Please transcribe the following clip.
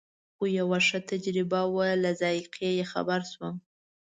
خو یوه ښه تجربه وه له ذایقې یې خبر شوم.